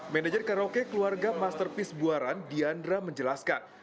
manajer karaoke keluarga masterpiece buaran diandra menjelaskan